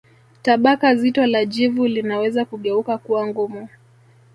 Tabaka zito la jivu linaweza kugeuka kuwa ngumu